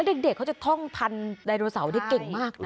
แล้วเด็กเขาจะท่องพันธุ์นิโนสาวนี่เก่งมากนะ